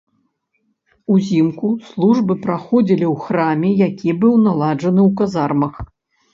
Узімку службы праходзілі ў храме, які быў наладжаны ў казармах.